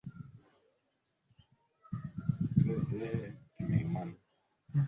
yanayohusika lugha hii inaweza kuwa na msamiati